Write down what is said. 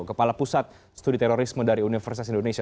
kepala pusat studi terorisme dari universitas indonesia